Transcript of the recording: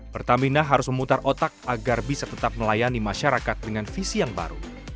pertamina harus memutar otak agar bisa tetap melayani masyarakat dengan visi yang baru